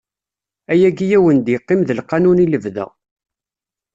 Ayagi ad wen-d-iqqim d lqanun i lebda.